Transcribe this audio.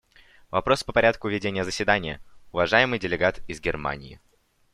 Вопрос по порядку ведения заседания; уважаемый делегат из Германии.